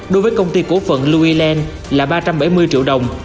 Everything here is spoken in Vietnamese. đối với công ty cổ phần louis land là ba trăm bảy mươi triệu đồng